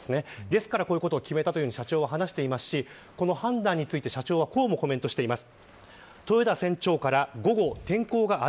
ですから、こういうことを決めたと社長は話していますし判断について社長はこうもコメントしています。